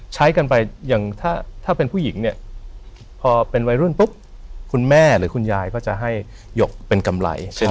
ใช้กันไปอย่างถ้าเป็นผู้หญิงเนี่ยพอเป็นวัยรุ่นปุ๊บคุณแม่หรือคุณยายก็จะให้หยกเป็นกำไรใช่ไหม